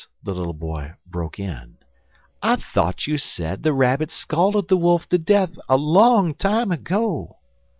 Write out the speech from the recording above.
the little boy broke in, "I thought you said the Rabbit scalded the Wolf to death a long time ago."